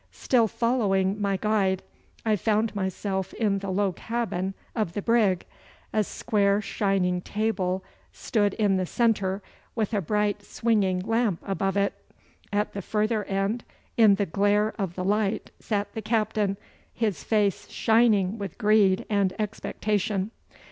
Still following my guide, I found myself in the low cabin of the brig. A square shining table stood in the centre, with a bright swinging lamp above it. At the further end in the glare of the light sat the captain his face shining with greed and expectation.